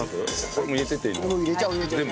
これも入れていい？